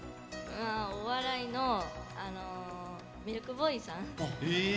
お笑いのミルクボーイさん。